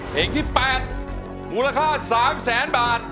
เพลงที่๘มูลค่า๓๐๐๐๐๐บาท